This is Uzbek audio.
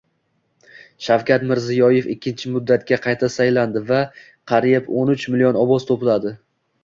Shavkat Mirziyoyev ikkinchi muddatga qayta saylandi va qariybo´n uchmillion ovoz to‘pladi